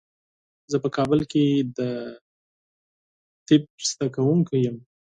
زه په کابل کې د طب زده کوونکی یم.